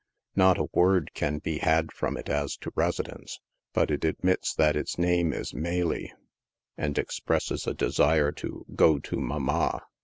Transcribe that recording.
Not a word can be had from it as to residence, but it admits that its name is " Melie," and expresses a desire to " go to mama."